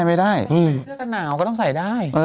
เสื้อกันหนาวก็ต้องใส่ได้